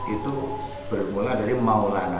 itu bermula dari maulana